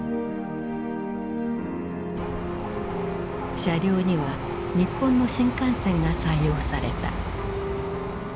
車両には日本の新幹線が採用された。